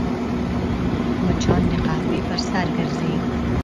مچان د قهوې پر سر ګرځي